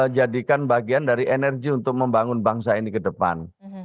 jadikan bagian dari energi untuk membangun bangsa ini ke depan